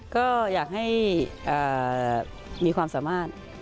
ก็อยากให้มีความสามารถ